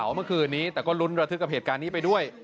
เมื่อคืนนี้แต่ก็ลุ้นระทึกกับเหตุการณ์นี้ไปด้วย